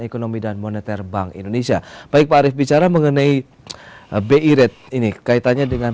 ekonomi dan moneter bank indonesia baik pak arief bicara mengenai bi rate ini kaitannya dengan